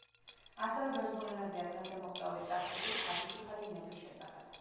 ასევე ბერძნულ ენაზეა დღემდე მოღწეული ტრაქტატი „თავისუფალი ნების შესახებ“.